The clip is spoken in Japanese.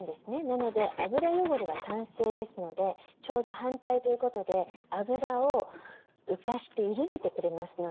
なので油汚れは酸性ですのでちょうど反対ということで油を浮かして緩めてくれますので取れやすいんです油汚れが。